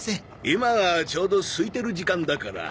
今はちょうどすいてる時間だから。